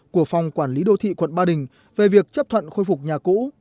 của phòng quản lý đô thị quận ba đình về việc chấp thuận khôi phục nhà cũ